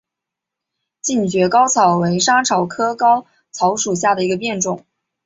近蕨嵩草为莎草科嵩草属下的一个变种。